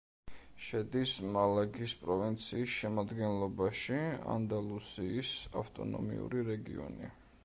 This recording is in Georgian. შედის მალაგის პროვინციის შემადგენლობაში, ანდალუსიის ავტონომიური რეგიონი.